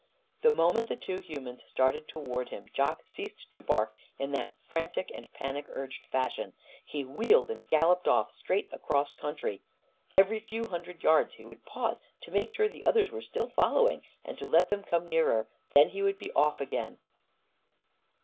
The moment the two humans started toward him, Jock ceased to bark in that frantic and panic urged fashion. He wheeled and galloped off, straight across country. Every few hundred yards he would pause to make sure the others were still following, and to let them come nearer. Then he would be off again.